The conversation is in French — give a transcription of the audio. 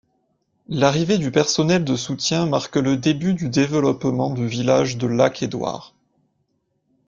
L'arrivée du personnel de soutien marque le début du développement du village de Lac-Édouard.